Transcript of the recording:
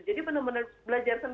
jadi benar benar belajar ke atas